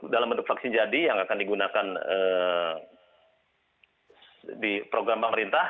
dalam bentuk vaksin jadi yang akan digunakan di program pemerintah